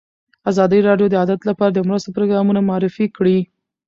ازادي راډیو د عدالت لپاره د مرستو پروګرامونه معرفي کړي.